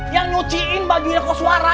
yang nyuciin bagian koswara